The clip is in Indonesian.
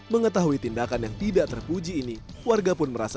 mengetahui tindakan yang tidak terpuji ini warga pun merasa